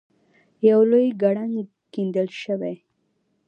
یو لوی کړنګ کیندل شوی.